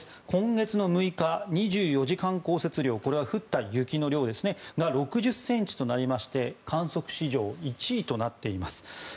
今月６日、２４時間降雪量これは降った雪の量が６０ｃｍとなりまして観測史上１位となっています。